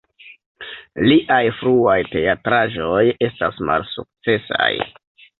Liaj fruaj teatraĵoj estas malsukcesaj.